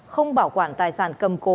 không bảo quản tài sản cầm cố